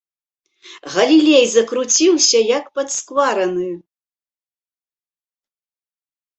Галілей закруціўся, як падсквараны.